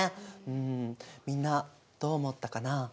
うんみんなどう思ったかな？